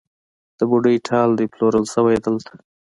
د بوډۍ ټال دی پلورل شوی دلته